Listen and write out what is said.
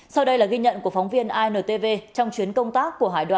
sau đây là ghi nhận của phóng viên intv trong chuyến công tác của hải đoàn